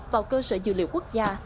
vào cơ sở dữ liệu quốc gia